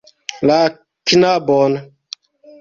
La knabon.